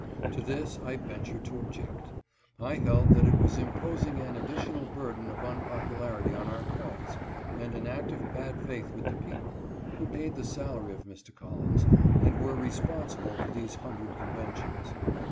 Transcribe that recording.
To this I ventured to object. I held that it was imposing an additional burden of unpopularity on our cause, and an act of bad faith with the people, who paid the salary of Mr. Collins, and were responsible for these hundred conventions.